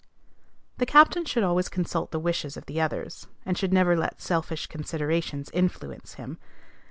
The captain should always consult the wishes of the others, and should never let selfish considerations influence him.